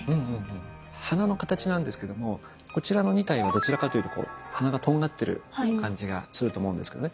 鼻の形なんですけどもこちらの２体はどちらかというと鼻がとんがってる感じがすると思うんですけどね。